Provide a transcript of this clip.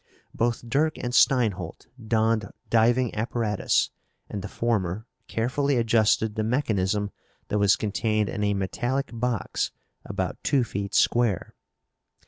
Both Dirk and Steinholt donned diving apparatus, and the former carefully adjusted the mechanism that was contained in a metallic box about two feet square.